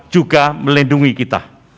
juga melindungi kita